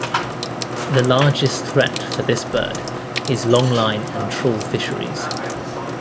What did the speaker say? The largest threat for this bird is longline and trawl fisheries.